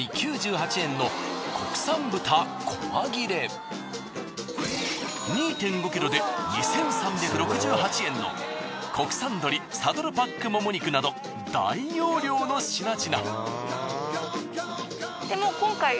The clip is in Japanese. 他にも２．５ｋｇで２３６８円の国産鶏サドルパックもも肉など大容量の品々。